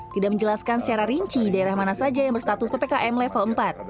tidak menjelaskan secara rinci daerah mana saja yang berstatus ppkm level empat